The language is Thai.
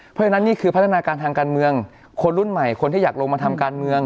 เพราะฉะนั้นนี่คือพัฒนาการทางการเมืองคนรุ่นใหม่คนที่อยากลงมาทำการเมือง